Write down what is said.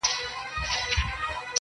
د ار غوان به، باندي یرغل وي -